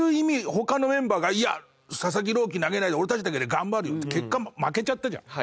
他のメンバーが「いや佐々木朗希投げないで俺たちだけで頑張る」って結果負けちゃったじゃん。